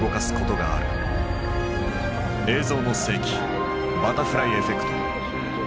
「映像の世紀バタフライエフェクト」。